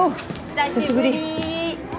久しぶり。